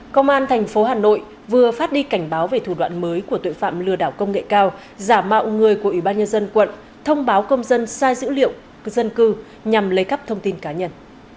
công an thành phố hà nội vừa phát đi cảnh báo về thủ đoạn mới của tội phạm lừa đảo công nghệ cao giả mạo người của ủy ban nhân dân quận thông báo công dân sai dữ liệu dân cư nhằm lấy cắp thông tin cá nhân